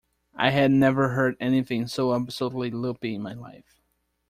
I had never heard anything so absolutely loopy in my life.